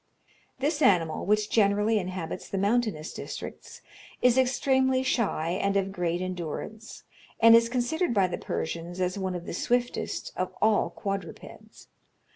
This animal, which generally inhabits the mountainous districts, is extremely shy, and of great endurance, and is considered by the Persians as one of the swiftest of all quadrupeds.